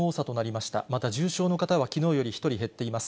また重症の方はきのうより１人減っています。